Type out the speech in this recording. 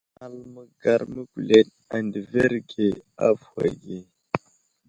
Alal məgar məkuleɗ adəverge avuhw age.